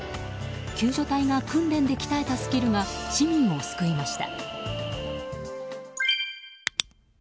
救助隊が訓練で鍛えたスキルが市民を救いました。